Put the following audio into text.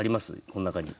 この中に。